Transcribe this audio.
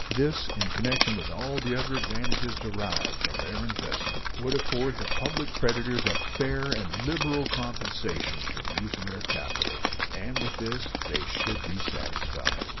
This, in connection with all the other advantages derived from their investment, would afford to the public creditors a fair and liberal compensation for the use of their capital, and with this they should be satisfied.